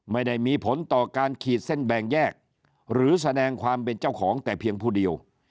ไม่ได้มีผลต่อการขีดเส้นแบ่งแยกหรือแสดงความเป็นเจ้าของแต่เพียงผู้เดียว